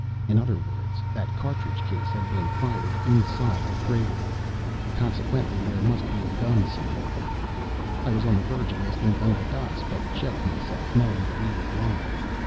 In other words, that cartridge case had been fired inside the crater. Consequently there must be a gun somewhere. I was on the verge of asking Gunga Dass, but checked myself, knowing that he would lie.